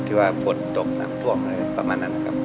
ที่ว่าฝนดกนำว่าประมาณนั้นนะครับ